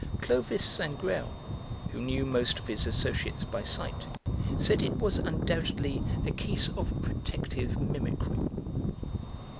Clovis Sangrail, who knew most of his associates by sight, said it was undoubtedly a case of protective mimicry.